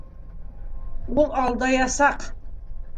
Ул алдаясаҡ!